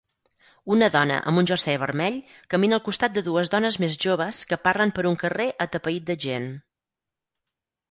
Una dona amb un jersei vermell camina al costat de dues dones més joves que parlen per un carrer atapeït de gent.